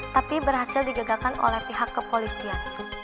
tapi berhasil digegakkan oleh pihak kepolisian